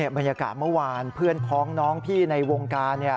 บรรยากาศเมื่อวานเพื่อนพ้องน้องพี่ในวงการ